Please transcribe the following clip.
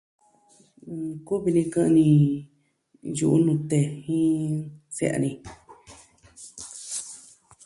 N... Nkuvi ni kɨ'ɨn ni yu'u nute jin se'ya ni.